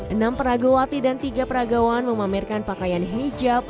enam peragawati dan tiga peragawan memamerkan pakaian hijab